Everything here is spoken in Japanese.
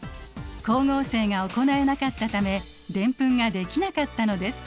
光合成が行えなかったためデンプンができなかったのです。